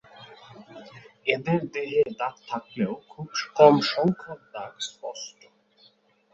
এদের দেহে দাগ থাকলেও খুব কমসংখ্যক দাগ স্পষ্ট।